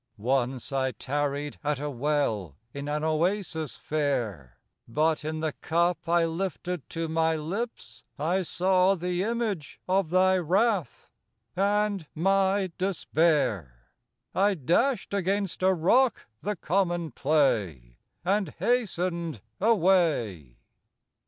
Once I tarried at a Well in an Oasis fair But in the cup I lifted to my lips I saw the image of thy wrath And my despair:— 69 I dashed against a rock the common clay And hastened away.